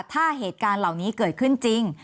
ถ้าเหตุการณ์เหล่านี้เกิดขึ้นจริง